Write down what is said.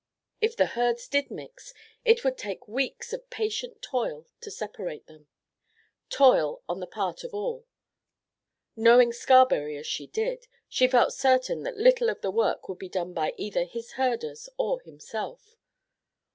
If the herds did mix, it would take weeks of patient toil to separate them—toil on the part of all. Knowing Scarberry as she did, she felt certain that little of the work would be done by either his herders or himself.